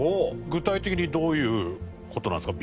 具体的にどういう事なんですか？